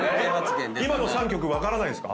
今の３曲分からないんですか